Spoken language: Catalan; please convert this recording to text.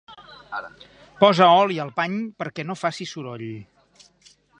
Posa oli al pany perquè no faci soroll.